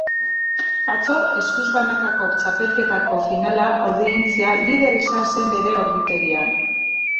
Atzo, eskuz banakako txapelketako finala audientzia lider izan zen bere ordutegian.